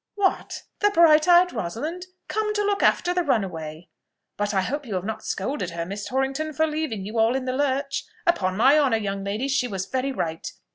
"What! The bright eyed Rosalind? Come to look after the runaway? But I hope you have not scolded her, Miss Torrington, for leaving you all in the lurch? Upon my honour, young lady, she was very right.